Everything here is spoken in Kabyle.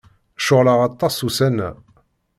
Ceɣleɣ aṭas ussan-a.